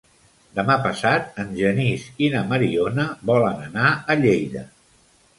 Demà passat en Genís i na Mariona volen anar a Lleida.